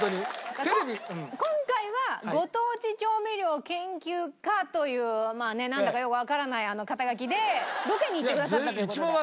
今回はご当地調味料研究家というなんだかよくわからない肩書でロケに行ってくださった。